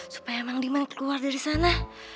supaya emang demand keluar dari sana